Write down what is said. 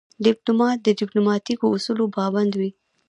ډيپلومات د ډیپلوماتیکو اصولو پابند وي.